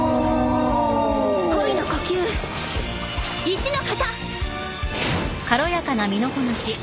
恋の呼吸壱ノ型！